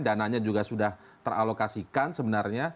dananya juga sudah teralokasikan sebenarnya